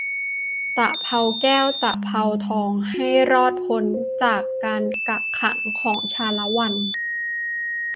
ตะเภาแก้ว ตะเภาทอง ให้รอดพ้นจากการกักขังของ ชาละวัน